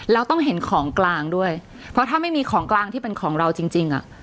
แล้วต้องเห็นของกลางด้วยเพราะถ้าไม่มีของกลางที่เป็นของเราจริงจริงอ่ะ